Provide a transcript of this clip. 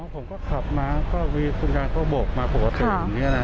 อ๋อผมก็ขับมาก็มีคุณยานเข้าบกมาปวดเห็นนี่น่ะ